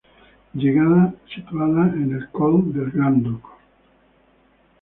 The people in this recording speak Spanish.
Llegada situada en el Col del Grand Duc.